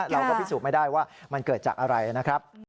เราก็พิสูจน์ไม่ได้ว่ามันเกิดจากอะไรนะครับ